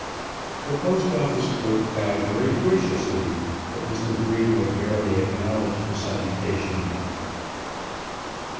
The Post Office clerk bowed very graciously, but Mr. Greenwood barely acknowledged the salutation.